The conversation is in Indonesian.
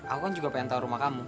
aku kan juga pengen tahu rumah kamu